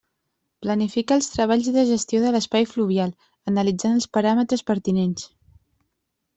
Planifica els treballs de gestió de l'espai fluvial, analitzant els paràmetres pertinents.